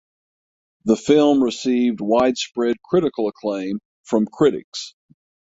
The film received widespread critical acclaim from critics.